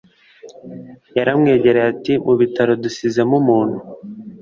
yaramwegereye ati"mubitaro dusizemo umuntu